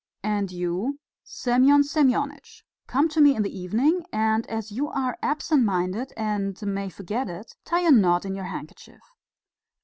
And you, Semyon Semyonitch, come to me in the evening, and as you are absent minded and may forget it, tie a knot in your handkerchief."